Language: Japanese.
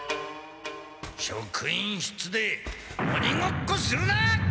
職員室でおにごっこするな！